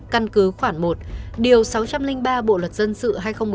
căn cứ khoảng một điều sáu trăm linh ba bộ luật dân sự hai nghìn một mươi năm